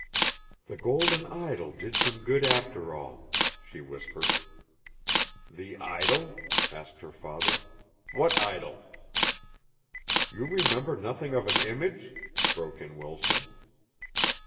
"The golden idol did some good after all," she whispered. "The idol?" asked her father. "What idol?" "You remember nothing of an image?" broke in Wilson.